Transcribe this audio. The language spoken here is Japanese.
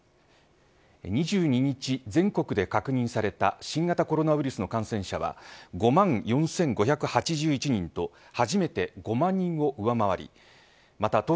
２２日、全国で確認された新型コロナウイルスの感染者は５万４５８１人と初めて５万人を上回りまた